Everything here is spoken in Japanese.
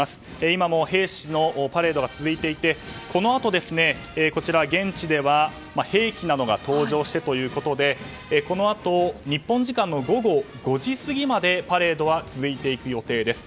今も兵士のパレードが続いていてこのあと現地では兵器などが登場してということでこのあと日本時間の午後５時過ぎまでパレードは続いていく予定です。